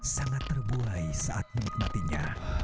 sangat terbualai saat menikmatinya